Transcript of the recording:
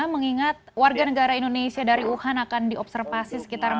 mengingat warga negara indonesia dari wuhan akan diobservasi sekitar empat puluh